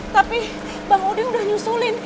tapi bang udi udah nyusulin